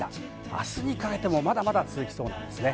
あすにかけてもまだまだ続きそうなんですね。